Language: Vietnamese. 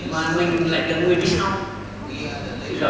mà mình lại là người đi sau